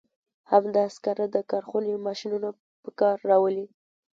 همدا سکاره د کارخونې ماشینونه په کار راولي.